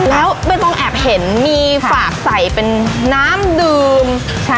แล้วเบอร์มองแอบเห็นมีฝากใส่เป็นน้ำดื่มใช่ใช่